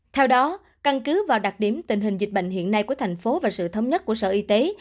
theo đó căn cứ vào đặc điểm tình hình dịch bệnh hiện nay của thành phố và sự thống nhất của sở y tế